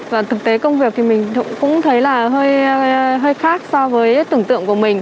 và thực tế công việc thì mình cũng thấy là hơi khác so với tưởng tượng của mình